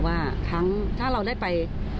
ว่าถ้าเราได้ไป